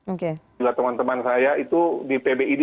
juga teman teman saya itu di pbid